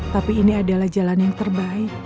tapi ini adalah jalan yang terbaik